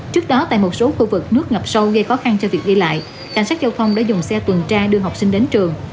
trước đó tại một số khu vực nước ngập sâu gây khó khăn cho việc đi lại cảnh sát giao thông đã dùng xe tuần tra đưa học sinh đến trường